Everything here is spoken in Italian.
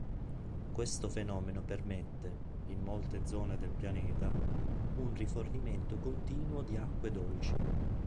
Questo fenomeno permette, in molte zone del Pianeta, un rifornimento continuo di acque dolci.